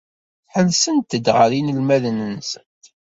Ḥellsent-d ɣer yinelmaden-nsent.